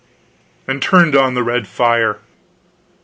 and turned on the red fire!